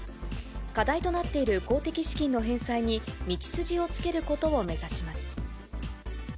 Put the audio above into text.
課題となっている公的資金の返済に道筋をつけることを目指します。